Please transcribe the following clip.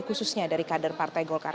khususnya dari kader partai golkar